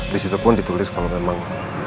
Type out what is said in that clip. disitu pun ditulis kalau memang